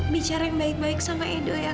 bicara yang baik baik sama edo ya